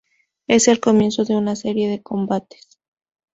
Es el comienzo de una serie de combates.